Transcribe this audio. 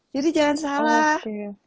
jadi jangan salah